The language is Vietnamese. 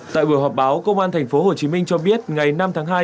tại buổi họp báo công an tp hcm cho biết ngày năm tháng hai